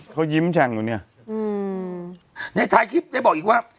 เขายิ้มแช่งอยู่เนี่ยอืมในถ่ายคลิปได้บอกอีกว่า